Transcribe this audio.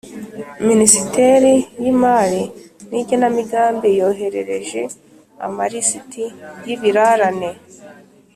Minisiteri y Imari n Igenamigambi yoherereje amalisiti y’ ibirarane